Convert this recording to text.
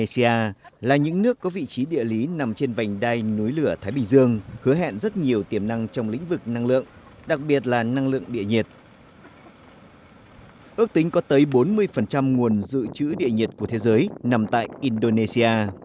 xin mời quý vị và các bạn cùng theo dõi